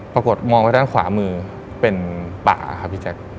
ปรากฏมองไปด้านขวามือเป็นป่าครับอีจักร